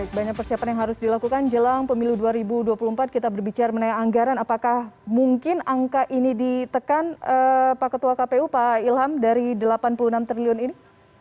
banyak persiapan yang harus dilakukan jelang pemilu dua ribu dua puluh empat kita berbicara mengenai anggaran apakah mungkin angka ini ditekan pak ketua kpu pak ilham dari delapan puluh enam triliun ini